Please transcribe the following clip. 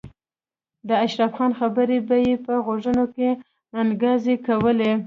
د اشرف خان خبرې به یې په غوږونو کې انګازې کولې